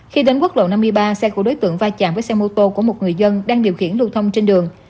khi đến quốc lộ năm mươi ba xe của đối tượng va chạm với xe mô tô của một người dân đang điều khiển lưu thông trên đường